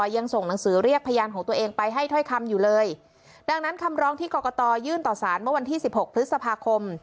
ยังส่งหนังสือเรียกพยานของตัวเองไปให้ถ้อยคำอยู่เลยดังนั้นคำร้องที่กรกตยื่นต่อสารเมื่อวันที่สิบหกพฤษภาคม